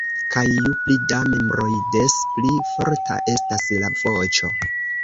Kaj ju pli da membroj des pli forta estas la voĉo.